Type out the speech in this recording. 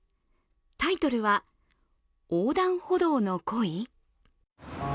タイトルは、「横断歩道の恋？」